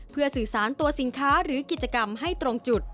เพื่อสื่อสารตัวสินค้าหรือกิจกรรมให้ตรงจุด